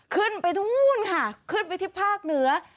ขึ้นไปนู้นค่ะขึ้นไปที่ภาคเหนือ